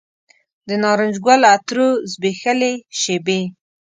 د نارنج ګل عطرو زبیښلې شیبې